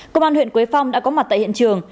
công an huyện quế phong đã có mặt tại hiện trường